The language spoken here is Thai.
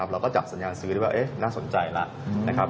เราก็จับสัญญาณซื้อได้ว่าน่าสนใจแล้วนะครับ